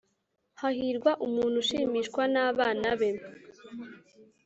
Hahirwa umuntu ushimishwa n’abana be,